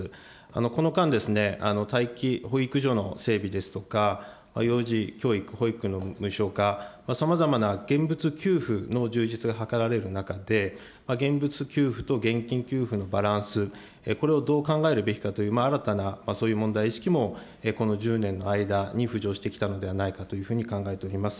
この間、待機保育所の整備ですとか、幼児教育、保育の無償化、さまざまな現物給付の充実が図られる中で、現物給付と現金給付のバランス、これをどう考えるべきかという、新たなそういう問題意識も、この１０年の間に浮上してきたのではないかというふうに考えております。